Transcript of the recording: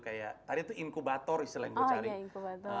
tadi itu inkubator istilah yang gue cari